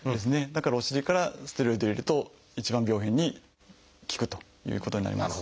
だからお尻からステロイドを入れると一番病変に効くということになります。